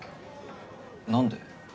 何で？